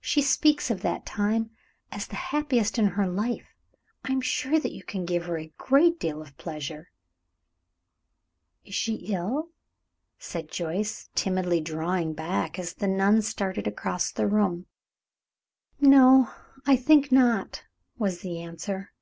She speaks of that time as the happiest in her life. I am sure that you can give her a great deal of pleasure." "Is she ill?" said Joyce, timidly drawing back as the nun started across the room. "No, I think not," was the answer.